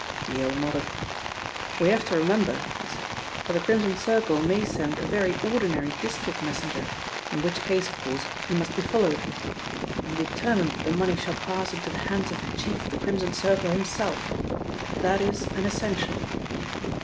Yale nodded. "We have to remember," he said, "that the Crimson Circle may send a very ordinary district messenger, in which case, of course, he must be followed. I am determined that the money shall pass into the hands of the chief of the Crimson Circle himself that is an essential."